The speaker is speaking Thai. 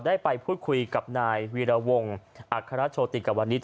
ได้ไปพูดคุยกับนายวีรวงอัครโชติกวนิษฐ